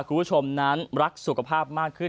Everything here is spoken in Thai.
คุณผู้ชมนั้นรักสุขภาพมากขึ้น